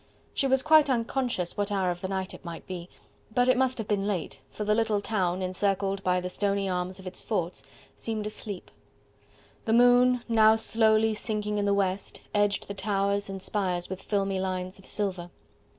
She was quite unconscious what hour of the night it might be, but it must have been late, for the little town, encircled by the stony arms of its forts, seemed asleep. The moon, now slowly sinking in the west, edged the towers and spires with filmy lines of silver.